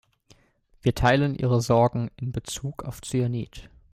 Wir teilen Ihre Sorgen in Bezug auf Zyanid.